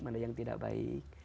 mana yang tidak baik